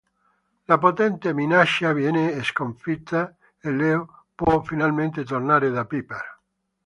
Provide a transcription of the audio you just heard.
La potente minaccia viene sconfitta e Leo può finalmente tornare da Piper.